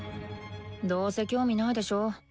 どうせ興味ないでしょ。